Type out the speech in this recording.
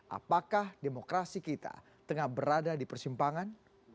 apakah demokrasi kita tengah berada di persimpangan